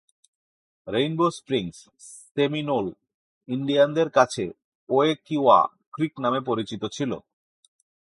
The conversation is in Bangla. রেইনবো স্প্রিংস সেমিনোল ইন্ডিয়ানদের কাছে ওয়েকিওয়া ক্রিক নামে পরিচিত ছিল।